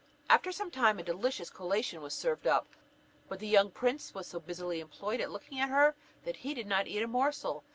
After some time a delicious collation was served up; but the young prince was so busily employed in looking at her, that he did not eat a morsel.